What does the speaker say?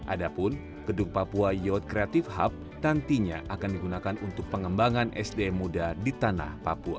adapun gedung papua youth creative hub nantinya akan digunakan untuk pengembangan sdm muda di tanah papua